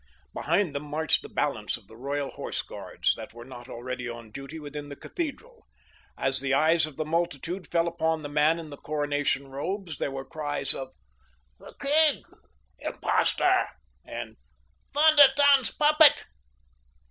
Behind them marched the balance of the Royal Horse Guards that were not already on duty within the cathedral. As the eyes of the multitude fell upon the man in the coronation robes there were cries of: "The king! Impostor!" and "Von der Tann's puppet!"